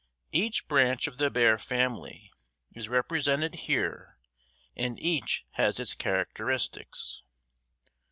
Each branch of the bear family is represented here and each has its characteristics.